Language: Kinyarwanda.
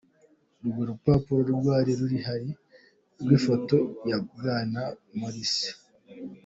Urwo rupapuro rwari ruriho n'ifoto ya Bwana Morrison.